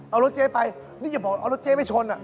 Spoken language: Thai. เอารถเจ๊ไปนี่อย่าบอกเอารถเจ๊ไปชนอ่ะ